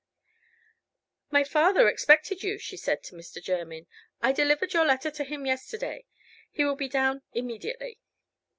"My father expected you," she said to Mr. Jermyn. "I delivered your letter to him yesterday. He will be down immediately."